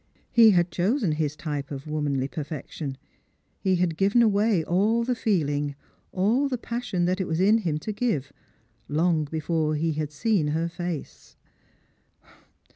He had chosen his type of womanly perfection ; he had giveq away all the feeling, all the passion that it was in him to give, long before he had seen her face.